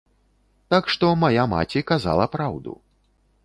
Так што мая маці казала праўду.